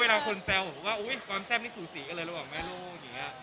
เวลาคนแซ่บว่าอุ๊ยความแซ่บนี้สูสีกันเลยระหว่างแม่โลกอย่างเงี้ย